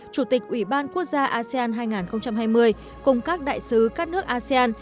chủ tịch ủy ban quốc gia asean hai nghìn hai mươi cùng các đại sứ các nước asean